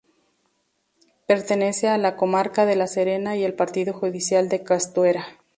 Pertenece a la comarca de La Serena y al Partido judicial de Castuera.